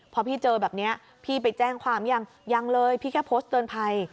พอพี่เจอแบบนี้พี่ไปแจ้งความหรือยังยังเลยพี่แค่โพสต์เตือนภัย